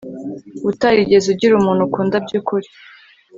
utarigeze ugira umuntu ukunda byukuri